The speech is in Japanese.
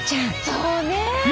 そうねえ。